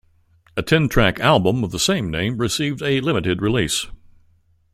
A ten-track album of the same name received a limited release.